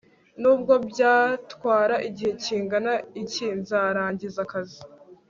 nubwo byatwara igihe kingana iki, nzarangiza akazi